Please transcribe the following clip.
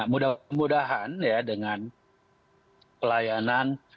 mudah mudahan dengan pelayanan